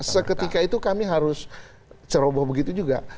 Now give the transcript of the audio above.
seketika itu kami harus ceroboh begitu juga